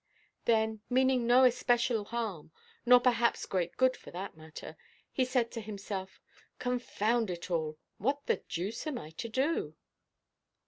Then, meaning no especial harm, nor perhaps great good, for that matter, he said to himself— "Confound it all. What the deuce am I to do?"